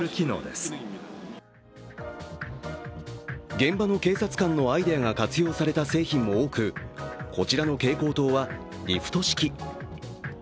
現場の警察官のアイデアが活用された製品も多く、こちらの警光灯は、リフト式。